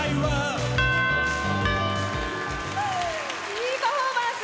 いいパフォーマンス。